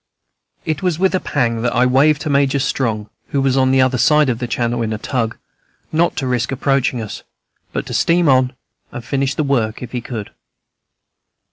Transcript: It was with a pang that I waved to Major Strong, who was on the other side of the channel in a tug, not to risk approaching us, but to steam on and finish the work, if he could.